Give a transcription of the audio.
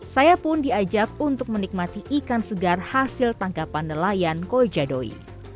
saya pun diajak untuk menikmati ikan segar hasil tangkapan nelayan kojadoi